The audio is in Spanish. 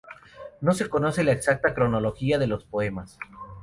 No se conoce la exacta cronología de los poemas.